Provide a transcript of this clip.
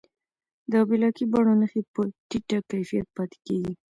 د بلاکي بڼو نښې په ټیټه کیفیت پاتې کېږي.